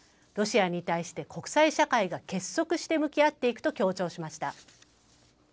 ロシアに対して国際社会が結束して向き合っていくと強調しました。